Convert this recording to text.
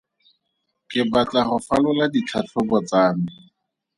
Ke batla go falola ditlhatlhobo tsa me.